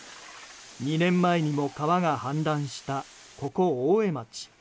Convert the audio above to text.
２年前にも川が氾濫したここ大江町。